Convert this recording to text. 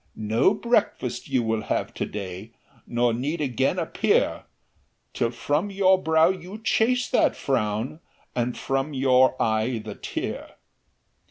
"No breakfast you will have to day, Nor need again appear, Till from your brow you chase that frown, And from your eye the tear.